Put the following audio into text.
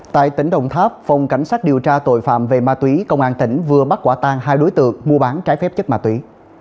tại tỉnh đồng tháp phòng cảnh sát điều tra tội phạm về ma túy công an tỉnh vừa bắt quả tang hai đối tượng mua bán trái phép chất ma túy